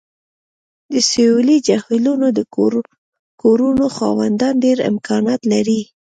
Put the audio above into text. د سویلي جهیلونو د کورونو خاوندان ډیر امکانات لري